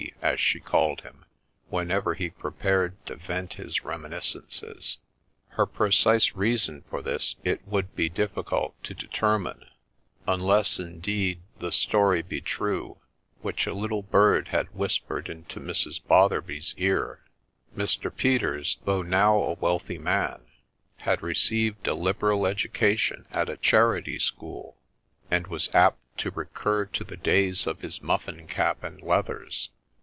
as she called him, whenever he prepared to vent his reminiscences. Her precise reason for this it would be difficult to determine, unless, indeed, the story be true which a little bird had whispered into Mrs. Botherby's ear, — Mr. Peters, though now a wealthy man, had received a liberal education at a charity school, and was apt to recur to the days of his muffin cap and leathers.